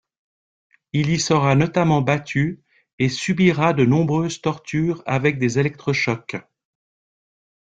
Il y sera notamment battu et subira de nombreuses tortures avec électrochocs.